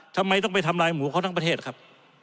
ทำไมต้องไปทำลายหมูเขาทั้งประเทศครับ